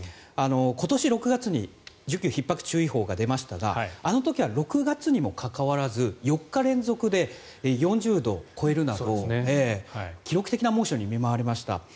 今年６月に需給ひっ迫注意報が出ましたがあの時は６月にもかかわらず４日連続で４０度を超えるなど記録的な猛暑に見舞われました。